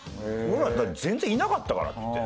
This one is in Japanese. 俺ら全然いなかったからっつって。